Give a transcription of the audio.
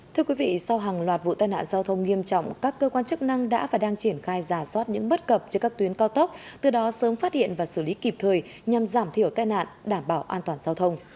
thưa quý vị sau hàng loạt vụ tai nạn giao thông nghiêm trọng các cơ quan chức năng đã và đang triển khai giả soát những bất cập trên các tuyến cao tốc từ đó sớm phát hiện và xử lý kịp thời nhằm giảm thiểu tai nạn đảm bảo an toàn giao thông